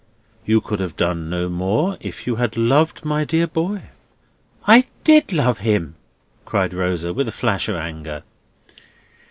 You could have done no more if you had loved my dear boy." "I did love him!" cried Rosa, with a flash of anger.